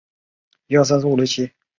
丈夫为查济民次子查懋成。